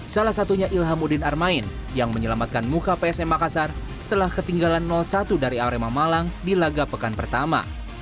salah satunya ilhamudin armain yang menyelamatkan muka psm makassar setelah ketinggalan satu dari arema malang di laga pekan pertama